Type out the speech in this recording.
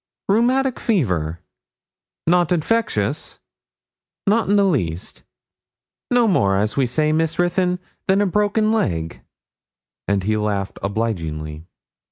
'Rheumatic fever.' 'Not infectious?' 'Not the least no more, as we say, Miss Ruthyn, than a broken leg,' and he laughed obligingly.